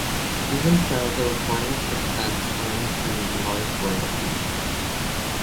Even so, the recording's success earned him large royalties.